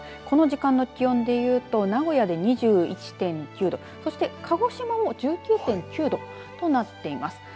この時間の気温でいうと名古屋で２１．９度そして、鹿児島も１９．９度となっています。